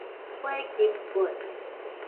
火金棍